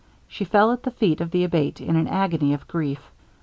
She fell at the feet of the Abate in an agony of grief.